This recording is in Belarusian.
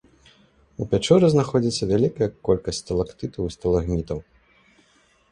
У пячоры знаходзіцца вялікая колькасць сталактытаў і сталагмітаў.